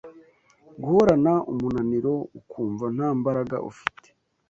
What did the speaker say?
Guhorana umunaniro ukumva nta mbaraga ufite